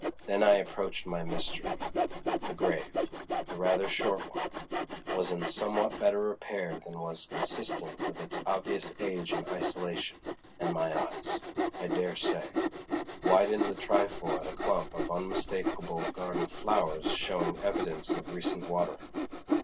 Then I approached my mystery. The grave—a rather short one—was in somewhat better repair than was consistent with its obvious age and isolation, and my eyes, I dare say, widened a trifle at a clump of unmistakable garden flowers showing evidence of recent watering.